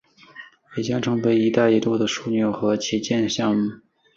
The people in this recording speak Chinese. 也将成为一带一路的枢纽和旗舰项目。